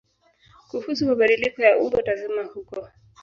Kuhusu mabadiliko ya umbo tazama huko.